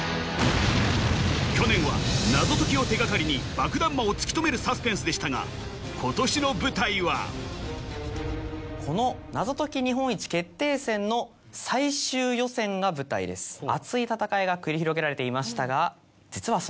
去年は謎解きを手がかりに爆弾魔を突き止めるサスペンスでしたが今年の舞台は熱い戦いが繰り広げられていましたが。